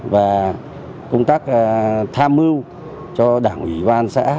và công tác tham mưu cho đảng ủy ban xã